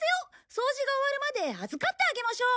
掃除が終わるまで預かってあげましょう！